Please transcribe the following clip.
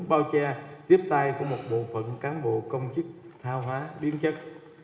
bao che tiếp tay của một bộ phận cán bộ công chức thao hóa biến chất